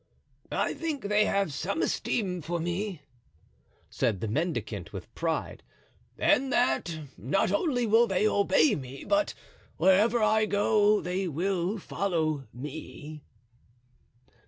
"I think they have some esteem for me," said the mendicant with pride, "and that not only will they obey me, but wherever I go they will follow me."